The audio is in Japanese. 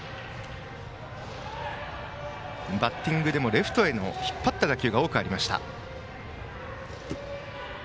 バッティングでもレフトへの引っ張った打球が多くありました。